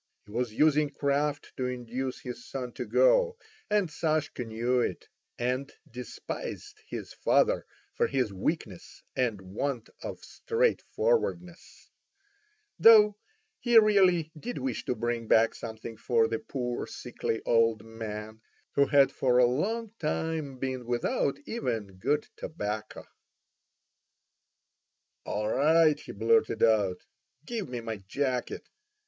He was using craft to induce his son to go, and Sashka knew it, and despised his father for his weakness and want of straightforwardness; though he really did wish to bring back something for the poor sickly old man, who had for a long time been without even good tobacco. "All right!" he blurted out; "give me my jacket.